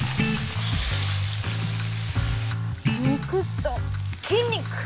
肉と筋肉！